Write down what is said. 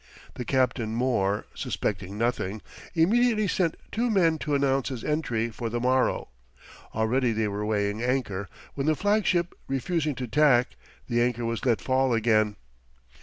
The Capitam mõr, suspecting nothing, immediately sent two men to announce his entry for the morrow; already they were weighing anchor when the flag ship refusing to tack, the anchor was let fall again.